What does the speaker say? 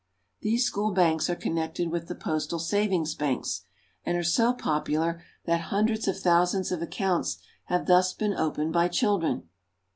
These school banks are connected with the postal savings banks, and are so popular that hundreds of thousands of accounts have thus been opened by children.